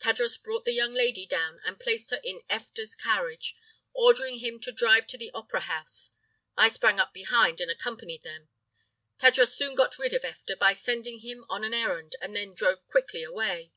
Tadros brought the young lady down and placed her in Effta's carriage, ordering him to drive to the opera house. I sprang up behind and accompanied them. Tadros soon got rid of Effta by sending him on an errand and then drove quickly away.